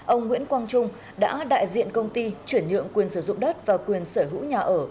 ông nguyễn quang trung đã đại diện công ty chuyển nhượng quyền sử dụng đất và quyền sở hữu nhà ở